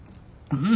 うん。